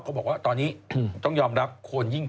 ปลาหมึกแท้เต่าทองอร่อยทั้งชนิดเส้นบดเต็มตัว